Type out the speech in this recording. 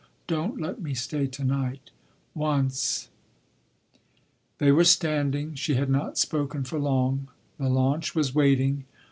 Don’t let me stay to night ... once—" They were standing. She had not spoken for long. The launch was waiting.